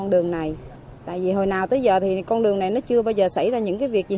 dẫn vào khu phố hà nội